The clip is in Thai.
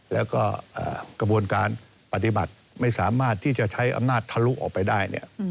แล้วก็กระบวนการปฏิบัติไม่สามารถที่จะใช้อำนาจทะลุออกไปได้